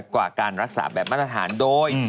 กว่าการรักษาแบบมาตรฐานโดย